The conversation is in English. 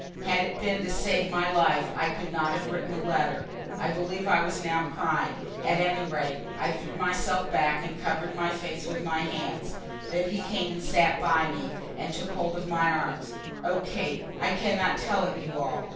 Had it been to save my life I could not have written the letter. I believe I was now crying, at any rate I threw myself back and covered my face with my hands. Then he came and sat by me, and took hold of my arms. Oh, Kate; I cannot tell it you all.